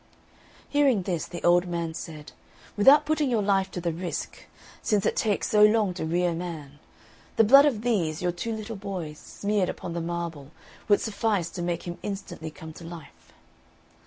Hearing this the old man said, "Without putting your life to the risk since it takes so long to rear a man the blood of these, your two little boys, smeared upon the marble, would suffice to make him instantly come to life."